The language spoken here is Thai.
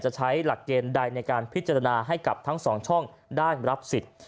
จะใช้หลักเจนใดในการพิจารณาให้กับทั้ง๒ช่องด้านรับสิทธิ์